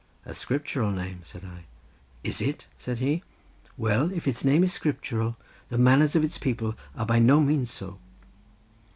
"A scriptural name," said I. "Is it?" said he; "well, if its name is scriptural the manners of its people are by no means so."